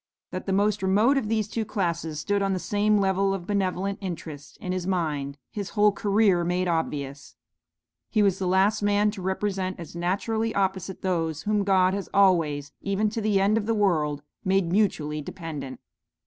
That the most remote of these two classes stood on the same level of benevolent interest in his mind, his whole career made obvious; he was the last man to represent as naturally opposite those whom God has always, even to the end of the world, made mutually dependent.